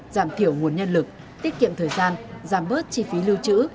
giảm thiểu nguồn nhân lực tiết kiệm thời gian giảm bớt chi phí lưu trữ